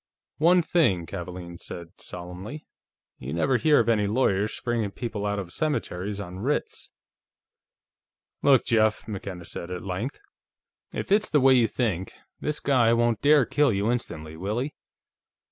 "One thing," Kavaalen said solemnly, "you never hear of any lawyers springing people out of cemeteries on writs." "Look, Jeff," McKenna said, at length. "If it's the way you think, this guy won't dare kill you instantly, will he?